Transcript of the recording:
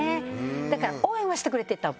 だから応援はしてくれてたと思います。